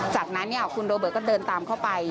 จากนั้นคุณโรเบิร์ตก็เดินตามเข้าไป